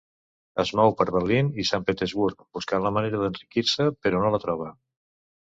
Es mou per Berlín i Sant Petersburg buscant la manera d'enriquir-se, però no la troba.